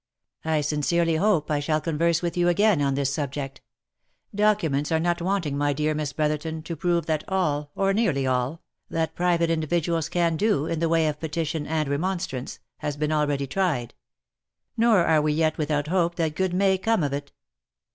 I sincerely hope I shall converse with you again on this subject. Documents are not want ing, my dear Miss Brotherton, to prove that all, or nearly all, that pri vate individuals can do, in the way of petition and remonstrance, has been already tried ; nor are we yet without hope that good may come of it.